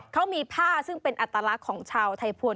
เขามีผ้าซึ่งเป็นอัตราของชาวไทยพวน